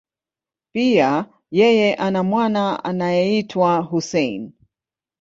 Pia, yeye ana mwana anayeitwa Hussein.